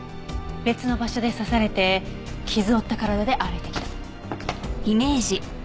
別の場所で刺されて傷を負った体で歩いてきた。